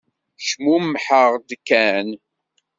Cmumḥeɣ-d kan.